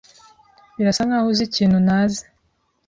Birasa nkaho uzi ikintu ntazi.